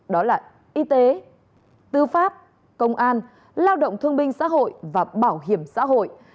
đó là y tế tư pháp công an lao động thương minh xã hội và bảo hiểm xã hội